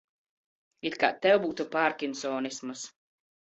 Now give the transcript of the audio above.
It kā tev būtu pārkinsonisms.